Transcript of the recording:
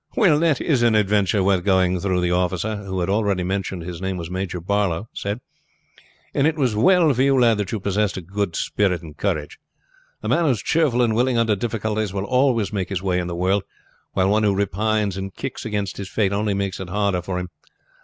"Well, that is an adventure worth going through," the officer, who had already mentioned that his name was Major Barlow, said; "and it was well for you, lad, that you possessed good spirits and courage. A man who is cheerful and willing under difficulties will always make his way in the world, while one who repines and kicks against his fate only makes it harder for him.